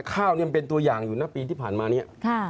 ข้าวเป็นตัวอย่างอยู่นะปีที่ผ่านมานี้